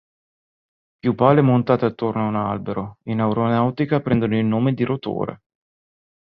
Più pale montate attorno a un albero, in aeronautica prendono il nome di rotore.